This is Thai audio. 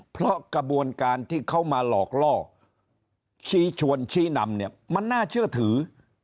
เพราะกระบวนการที่เขามาหลอกล่อชี้ชวนชี้นำเนี่ยมันน่าเชื่อถือ